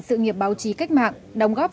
sự nghiệp báo chí cách mạng đóng góp